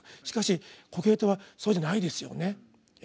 しかしコヘレトはそうじゃないですよね。